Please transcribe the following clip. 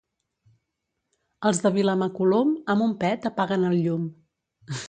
Els de Vilamacolum, amb un pet apaguen el llum.